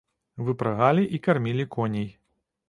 Выпрагалі і кармілі коней.